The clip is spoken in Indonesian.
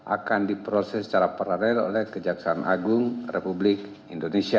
akan diproses secara paralel oleh kejaksaan agung republik indonesia